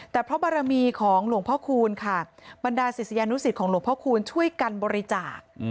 แต่พระบารมีของหลวงพ่อคูณค่ะบรรดาศิษยานุสิตของหลวงพ่อคูณช่วยกันบริจาค